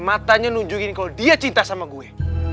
matanya nunjukin kalau dia cinta sama gue